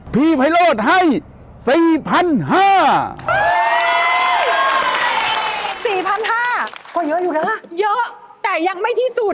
พี่ไพโลดให้๔๕๐๐บาท